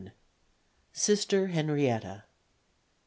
Sister Henrietta.